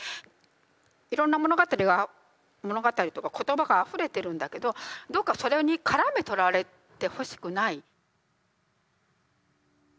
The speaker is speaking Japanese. いろんな物語が物語とか言葉があふれてるんだけどどうかそれにからめとられてほしくない。